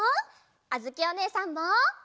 あづきおねえさんも！